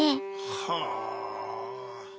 はあ。